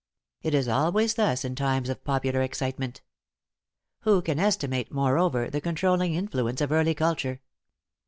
It is always thus in times of popular excitement. Who can estimate, moreover, the controlling influence of early culture!